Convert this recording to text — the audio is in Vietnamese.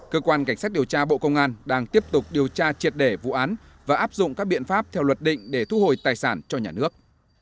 cơ quan cảnh sát điều tra bộ công an đang tiếp tục điều tra triệt để vụ án và áp dụng các biện pháp theo luật định để thu hồi tài sản cho nhà nước